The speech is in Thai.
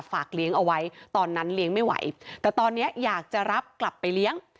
ฝากเลี้ยงเอาไว้ตอนนั้นเลี้ยงไม่ไหวแต่ตอนนี้อยากจะรับกลับไปเลี้ยง